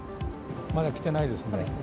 まだ来てないですね。